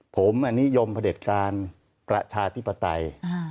ผมนิยมพระเด็จการประชาธิปไตย